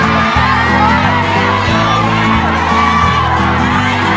แม่งแม่ง